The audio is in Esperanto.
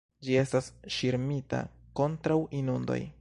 Ĝi estas ŝirmita kontraŭ inundoj.